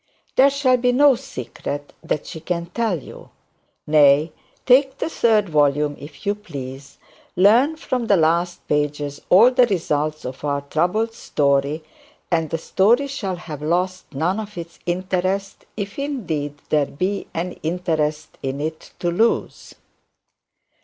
There shall be no secret that she can tell you. Nay, take the last chapter, if you please learn from its pages all the results of our troubled story, and the story shall have lost none of its interest, if indeed, there be any interest in it to lose.